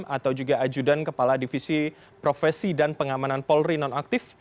atau juga ajudan kepala divisi profesi dan pengamanan polri nonaktif